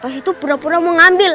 pas itu pura pura mau ngambil